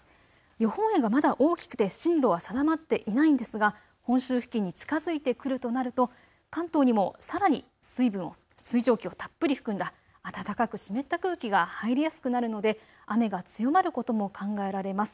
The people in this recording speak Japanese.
予報円がまだ大きくて進路は定まっていないんですが本州付近に近づいてくるとなると関東にもさらに水蒸気をたっぷり含んだ暖かく湿った空気が入りやすくなるので雨が強まることも考えられます。